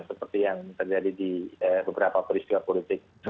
seperti yang terjadi di beberapa peristiwa politik